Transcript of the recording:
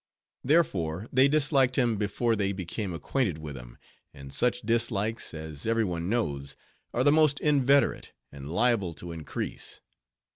Therefore they disliked him before they became acquainted with him; and such dislikes, as every one knows, are the most inveterate, and liable to increase.